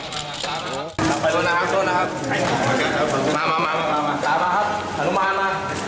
แต่จูกสิหลัง